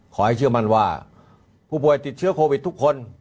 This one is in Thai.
เชื่อมั่นว่าผู้ป่วยติดเชื้อโควิดทุกคน